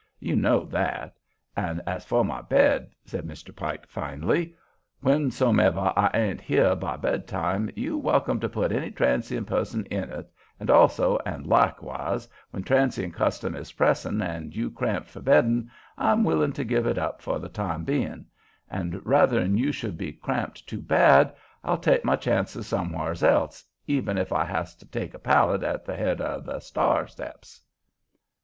You know that. An' as for my bed," said Mr. Pike finally, "whensomever I ain't here by bed time, you welcome to put any transion person in it, an' also an' likewise, when transion custom is pressin', and you cramped for beddin', I'm willin' to give it up for the time bein'; an' rather'n you should be cramped too bad, I'll take my chances somewhars else, even if I has to take a pallet at the head o' the sta'r steps."